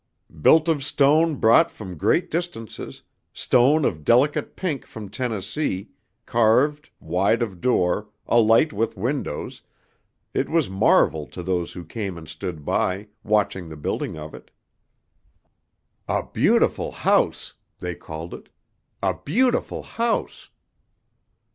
Built of stone brought from great distances, stone of delicate pink from Tennessee, carved, wide of door, alight with windows, it was a marvel to those who came and stood by, watching the building of it. "A beautiful house," they called it. "A beautiful house!"